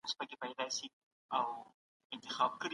واقعیات د رښتینو پایلو لپاره جمع کړئ.